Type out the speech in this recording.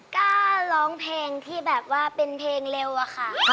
กล้าร้องเพลงที่แบบว่าเป็นเพลงเร็วอะค่ะ